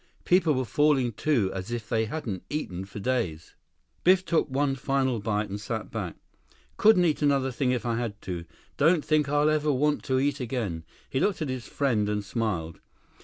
People were falling to as if they hadn't eaten for days. Biff took one final bite and sat back. "Couldn't eat another thing if I had to. Don't think I'll ever want to eat again." He looked at his friend and smiled.